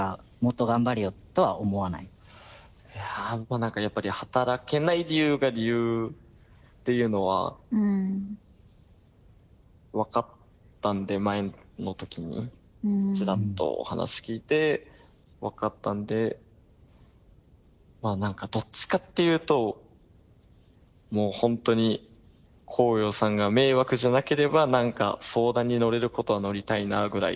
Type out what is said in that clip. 何かやっぱり働けない理由が理由っていうのは分かったんで前のときにちらっとお話聞いて分かったんでまあ何かどっちかっていうともう本当にこうようさんが迷惑じゃなければ何か相談に乗れることは乗りたいなぐらい。